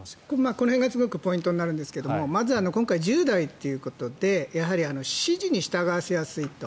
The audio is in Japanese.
この辺がすごくポイントになるんですがまず今回、１０代ということで指示に従わせやすいと。